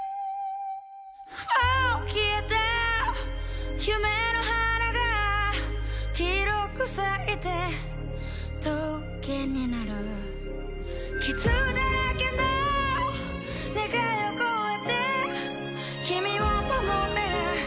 もう消えた夢の花が黄色く咲いて棘になる傷だらけの願いを超えて君を守れる？